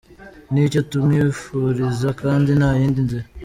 Nicyo tumwifuriza kandi nta yindi nzira.